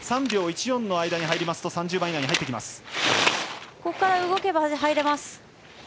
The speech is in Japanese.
３秒１４の間に入りますと３０番以内に入ってきます。